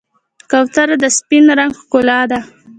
کوتره د سپین رنګ ښکلا ده.